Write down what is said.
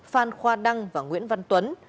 phan khoa đăng và nguyễn văn tuấn